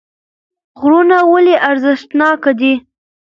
غرونه ولې ارزښتناکه دي